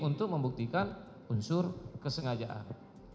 untuk membuktikan unsur kesengajaan